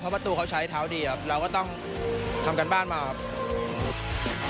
เพราะประตูเขาใช้เท้าดีเราก็ต้องทำกันบ้านมาครับ